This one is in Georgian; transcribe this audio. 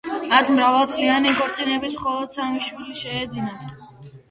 მათ მრავალწლიან ქორწინებაში მხოლოდ სამი შვილი შეეძინათ.